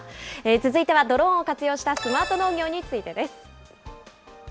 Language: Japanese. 続いてはドローンを活用したスマート農業についてです。